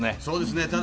そうですね。